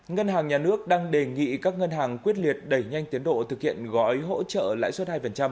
ngân hàng nhà nước đang đề nghị các ngân hàng quyết liệt đẩy nhanh tiến độ thực hiện gói hỗ trợ lãi suất hai